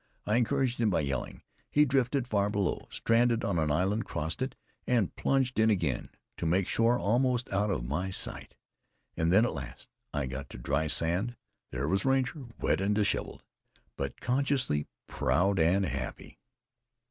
I encouraged him by yelling. He drifted far below, stranded on an island, crossed it, and plunged in again, to make shore almost out of my sight. And when at last I got to dry sand, there was Ranger, wet and disheveled, but consciously proud and happy.